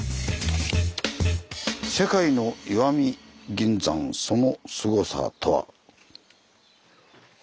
「“世界の石見銀山”そのスゴさとは？」。